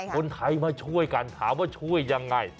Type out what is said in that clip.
คนไทยมาช่วยกันถามว่าช่วยยังไง